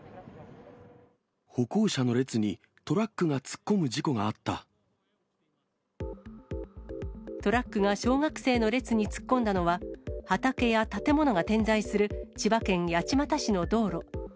歩行者の列にトラックが突っトラックが小学生の列に突っ込んだのは、畑や建物が点在する千葉県八街市の道路。